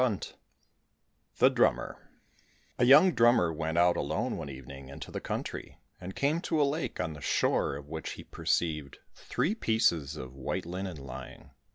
193 The Drummer A young drummer went out quite alone one evening into the country, and came to a lake on the shore of which he perceived three pieces of white linen lying.